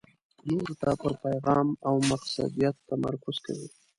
نورو ته پر پېغام او مقصدیت تمرکز کوي.